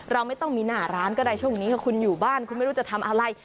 เราไม่ต้องมีหน้าร้านก็ได้ช่วงนี้ถ้าคุณอยู่บ้านคุณไม่รู้จะทำอะไร